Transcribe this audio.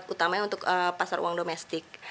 utamanya untuk pasar uang domestik